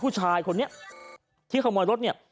ผู้ชายคนนี้ที่ขโมยรถเนี่ย